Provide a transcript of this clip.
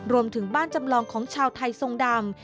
รวมถึงบ้านจำลองของชาวไทยทรงดำ